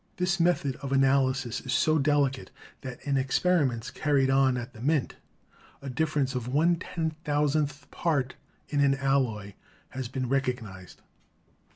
This method of analysis is so delicate tl ' in experiments carried on at the mint a differ ence of one ten thousandth part in an alloy has been recognised.